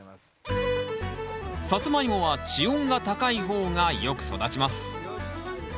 サツマイモは地温が高い方がよく育ちます。